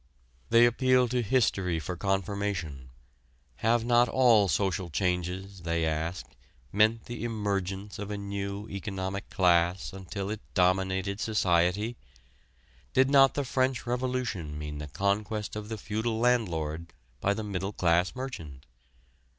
They appeal to history for confirmation: have not all social changes, they ask, meant the emergence of a new economic class until it dominated society? Did not the French Revolution mean the conquest of the feudal landlord by the middle class merchant?